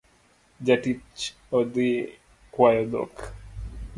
Jatich odhii kwayo dhok